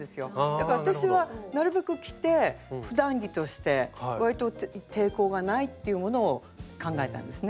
だから私はなるべく着てふだん着としてわりと抵抗がないっていうものを考えたんですね。